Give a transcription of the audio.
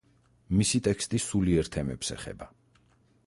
მისი ტექსტი სულიერ თემებს ეხება.